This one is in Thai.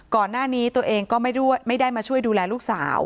ก่อนหน้านี้ตัวเองก็ไม่ได้มาช่วยดูแลลูกสาว